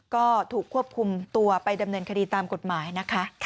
ก็ถูกควบคุมตัวไปดำเนินคดีตามกฎหมายนะคะ